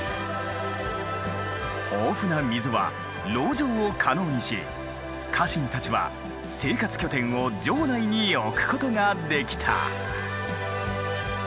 豊富な水は籠城を可能にし家臣たちは生活拠点を城内に置くことができた。